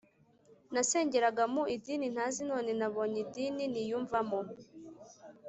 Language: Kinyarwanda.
Nasenjyeraga mu idini ntazi none nabonye idini niyumvamo